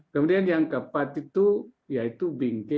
kemudian yang keempat itu yaitu bingke